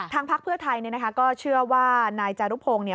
พักเพื่อไทยก็เชื่อว่านายจารุพงศ์